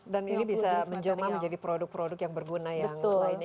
dan ini bisa menjelma menjadi produk produk yang berguna yang lainnya